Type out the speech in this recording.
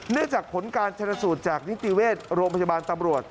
เนื่องจากผลการณ์ชนสูตรจากนิติเวชโรงพจบาลตำรวจ